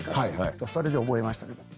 それで覚えました。